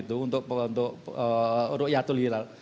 untuk rukyatul hilal